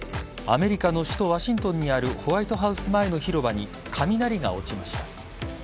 アメリカの首都ワシントンにあるホワイトハウス前の広場に雷が落ちました。